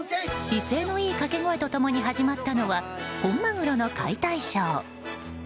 威勢のいい掛け声と共に始まったのは本マグロの解体ショー。